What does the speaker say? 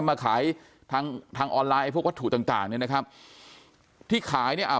มาขายทางทางออนไลน์ไอ้พวกวัตถุต่างต่างเนี้ยนะครับที่ขายเนี่ยอ่า